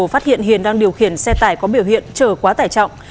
phát hiện hiền đang điều khiển xe tải có biểu hiện trở quá tải trọng